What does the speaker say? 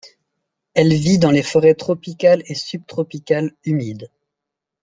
Elle vit dans les forêts tropicales et subtropicales humides.